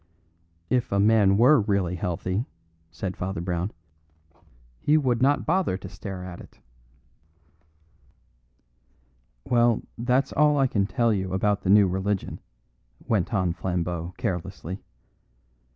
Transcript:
"If a man were really healthy," said Father Brown, "he would not bother to stare at it." "Well, that's all I can tell you about the new religion," went on Flambeau carelessly.